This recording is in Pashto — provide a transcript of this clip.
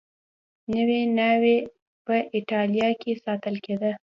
نوې ناوې په اېټالیا کې ساتل کېده